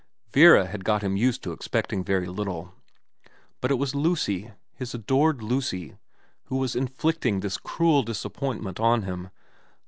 Vera had got him used to expecting very little ; but it was Lucy, his adored Lucy, who was inflicting this cruel disappoint ment on him.